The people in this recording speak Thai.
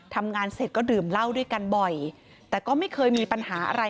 ทำงานเสร็จก็ดื่มเหล้าด้วยกันบ่อยแต่ก็ไม่เคยมีปัญหาอะไร